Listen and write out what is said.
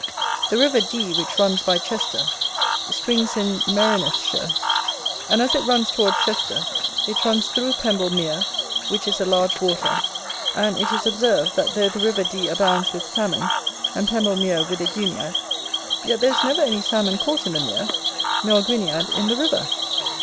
The river Dee, which runs by Chester, springs in Merionethshire; and, as it runs toward Chester, it runs through Pemble Mere, which is a large water: and it is observed, that though the river Dee abounds with Salmon, and Pemble mere with the Guiniad, yet there is never any Salmon caught in the mere, nor a Guiniad in the river.